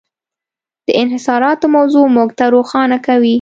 د انحصاراتو موضوع موږ ته روښانه کوي.